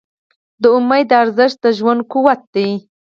د امید ارزښت د ژوند قوت دی.